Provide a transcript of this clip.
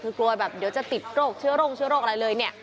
คือกลัวเดี๋ยวจะติดโรคเชื้อโรคอะไรเลย